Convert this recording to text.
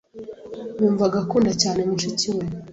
Yumvaga akunda cyane mushiki we.